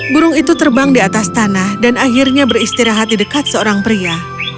burung itu terbang di atas tanah dan akhirnya beristirahat di dekat seorang pria